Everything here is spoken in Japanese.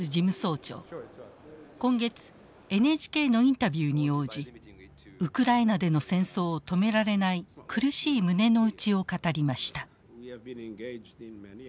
今月ＮＨＫのインタビューに応じウクライナでの戦争を止められない苦しい胸の内を語りました。